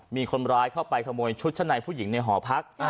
มีคนร้ายเข้าไปขโมยชุดชั้นในผู้หญิงในหอพัก